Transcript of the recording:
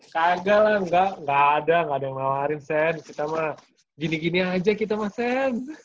kagal lah enggak gak ada gak ada yang nawarin sen kita mah gini gini aja kita mah sen